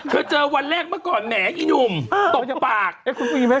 ขออีกทีอ่านอีกที